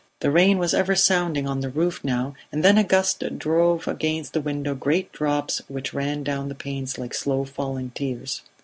The rain was ever sounding on the roof now and then a gust drove against the window great drops which ran down the panes like slow falling tears.